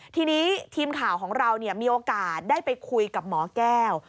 ทีนี้ทีมข่าวของเรามีโอกาสได้ไปคุยกับหมอแก้ว